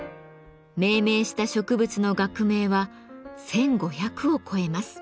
命名した植物の学名は１，５００を超えます。